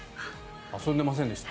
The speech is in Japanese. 遊んでませんでした。